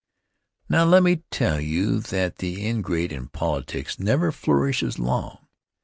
Now let me tell you that the ingrate in politics never flourishes long.